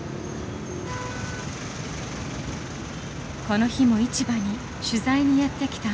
この日も市場に取材にやって来た